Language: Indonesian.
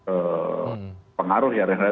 ee pengaruh ya renhtn